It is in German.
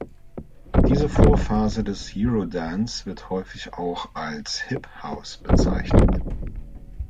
Diese „Vorphase“ des Eurodance wird häufig auch als Hip House bezeichnet.